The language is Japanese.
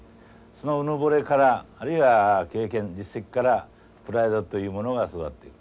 そのうぬぼれからあるいは経験実績からプライドというものが育っていく。